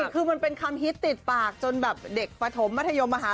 คือมันเป็นคำฮิตติดปากจนแบบเด็กปฐมมัธยมมหา